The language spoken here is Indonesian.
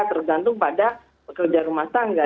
tergantung pada pekerja rumah tangga